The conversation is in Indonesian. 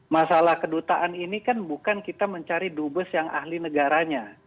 masalah kedutaan ini kan bukan kita mencari dubes yang ahli negaranya